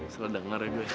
salah dengarnya gue